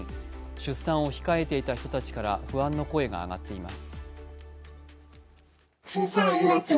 出産を控えていた人たちから不安の声が上がっています。